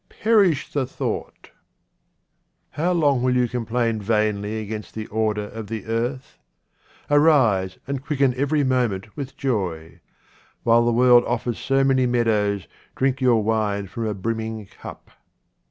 Perish the thought ! How long will you complain vainly against the order of the earth ? Arise, and quicken every moment with joy. While the world offers so many meadows, drink your wine from a brim ming cup.